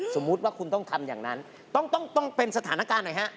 สมมุติว่าคุณต้องทำอย่างนั้นต้องเป็นสถานการณ์หน่อยฮะ